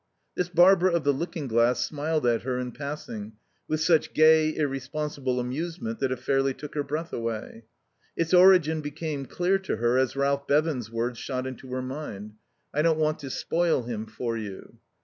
This Barbara of the looking glass smiled at her in passing with such gay, irresponsible amusement that it fairly took her breath away. Its origin became clear to her as Ralph Bevan's words shot into her mind: "I don't want to spoil him for you."